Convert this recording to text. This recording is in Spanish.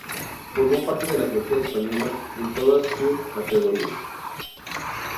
Formó parte de la selección española en todas su categorías.